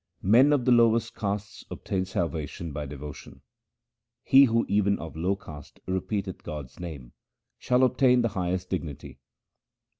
Men of the lowest castes obtain salvation by devotion :— He who even of low caste repeateth God's name shall obtain the highest dignity.